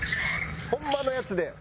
ホンマのやつで。